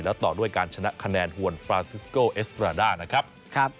และต่อด้วยการชนะขนแหนห่วงฟราซิกโกเอสตราด้า